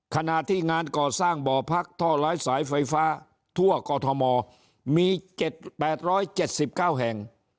ขณะที่งานก่อสร้างบ่อพักท่อล้อยสายไฟฟ้าทั่วกอธอมอมีเจ็ดแปดร้อยเจ็ดสิบเก้าแห่ง